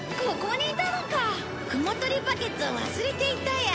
雲とりバケツを忘れていたよ。